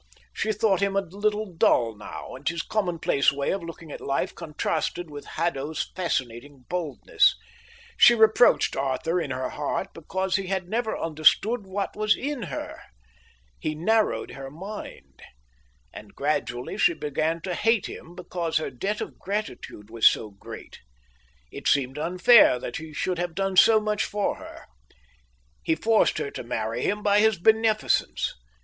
She thought him a little dull now, and his commonplace way of looking at life contrasted with Haddo's fascinating boldness. She reproached Arthur in her heart because he had never understood what was in her. He narrowed her mind. And gradually she began to hate him because her debt of gratitude was so great. It seemed unfair that he should have done so much for her. He forced her to marry him by his beneficence.